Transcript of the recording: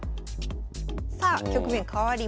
さあ局面変わりました。